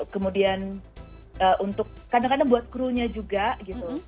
kemudian untuk kadang kadang buat crew nya juga gitu